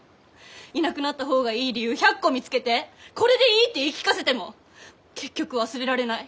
いなくなった方がいい理由１００個見つけて「これでいい」って言い聞かせても結局忘れられない。